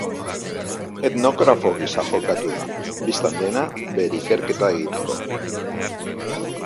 Etnografo gisa jokatu da, bistan dena, bere ikerketa egiteko.